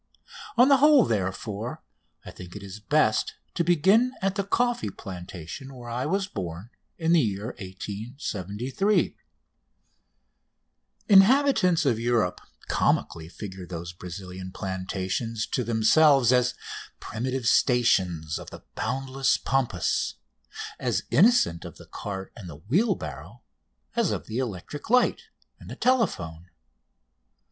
On the whole, therefore, I think it is best to begin at the coffee plantation where I was born in the year 1873. [Illustration: PLANTATION RAILWAY SANTOS DUMONT COFFEE PLANTATION IN BRAZIL] Inhabitants of Europe comically figure those Brazilian plantations to themselves as primitive stations of the boundless pampas, as innocent of the cart and the wheelbarrow as of the electric light and the telephone.